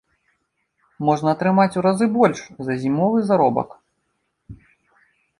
Можна атрымаць у разы больш за зімовы заробак.